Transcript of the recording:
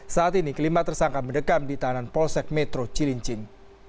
saat ini kelima tersangka mendekam di tahanan polsek metro cilincing